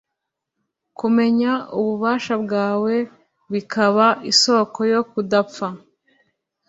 kumenya ububasha bwawe, bikaba isoko yo kudapfa